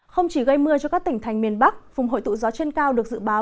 không chỉ gây mưa cho các tỉnh thành miền bắc vùng hội tụ gió trên cao được dự báo